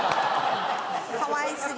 かわい過ぎ！